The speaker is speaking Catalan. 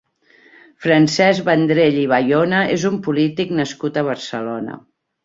Francesc Vendrell i Bayona és un polític nascut a Barcelona.